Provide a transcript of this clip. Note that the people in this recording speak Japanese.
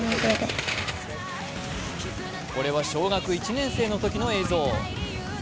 これは小学１年生のときの映像。